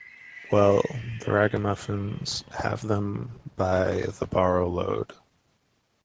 Well, The Ragamuffins have them by the barrow load.